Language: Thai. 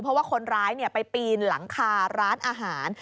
เพราะว่าคนร้ายไปปีนหลังคาร้านอาหาร